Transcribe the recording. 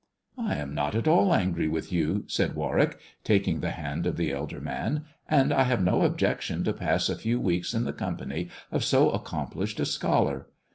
"I am not at all angry with you," said Warwick, taking the hand of the elder man, " and I have no objection to pass a few weeks in the company of so accomplished a scholar.